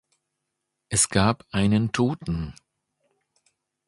Es gab einen Toten.